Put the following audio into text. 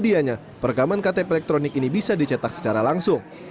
diperlukan perekaman ktp elektronik yang bisa dicetak secara langsung